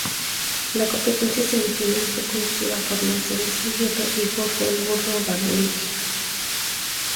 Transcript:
La Competencia Semifinal fue conducida por Mercedes Aguirre y Jorge "El Burro" Van Rankin.